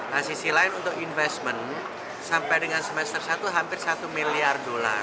nah sisi lain untuk investment sampai dengan semester satu hampir satu miliar dolar